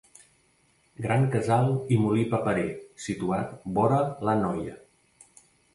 Gran casal i molí paperer, situat vora l'Anoia.